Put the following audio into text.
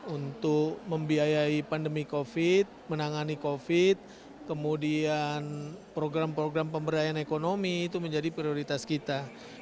untuk membiayai pandemi covid menangani covid kemudian program program pemberdayaan ekonomi itu menjadi prioritas kita